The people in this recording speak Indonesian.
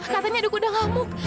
katanya ada kuda ngamuk